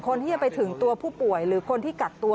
คนที่จะไปถึงตัวผู้ป่วยหรือคนที่กักตัว